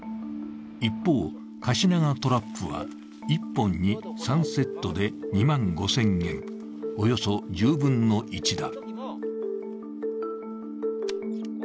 一方、カシナガトラップは１本に３セットで２万５０００円、およそ１０分の１だ。